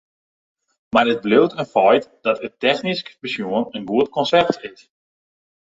Mar it bliuwt in feit dat it technysk besjoen in goed konsept is.